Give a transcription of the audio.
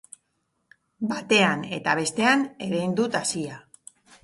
Batean eta bestean erein dut hazia.